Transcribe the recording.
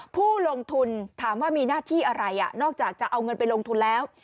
ผู้ลงทุนถามว่ามีหน้าที่อะไรนอกจากจะเอาเงินไปลงทุนแล้ว